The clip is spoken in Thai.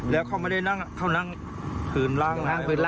แล้วเขาไม่ได้นัดเข้านั่งขึ้นล่าง